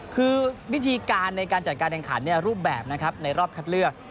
คือวิธีการในการจัดการแข่งขันรูปแบบนะครับในรอบคัดเลือก